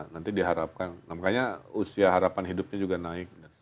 nanti diharapkan makanya usia harapan hidupnya juga naik